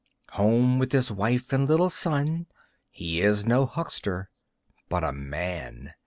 Home, with his wife and little son, He is no huckster, but a man!